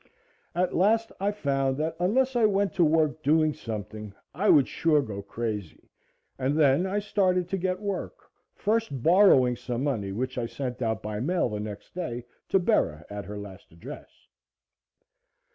At last I found that unless I went to work doing something, I would sure go crazy, and then I started to get work, first borrowing some money, which I sent out by mail the next day to Bera at her last address.